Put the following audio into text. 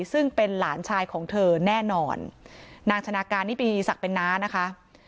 ซึ่งเป็นหลานชายของเธอแน่นอนนางชนะการนิปีศักดิ์เป็นน้านะคะ